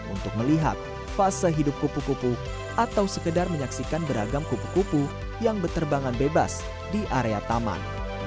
untuk melihat fase hidup kupu kupu atau sekedar menyaksikan beragam kupu kupu yang berterbangan bebas di area taman